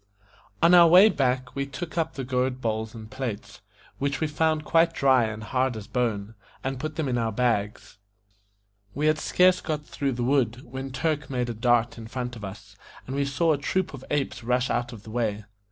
ON our way back we took up the gourd bowls and plates, which we found quite dry and hard as bone, and put them in our bags. We had scarce got through the wood, when Turk made a dart in front of us, and we saw a troop of apes rush out of the way.